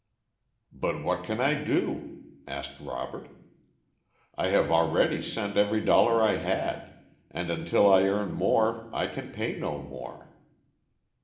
"But what can I do?" asked Robert. "I have already sent every dollar I had, and until I earn more I can pay no more."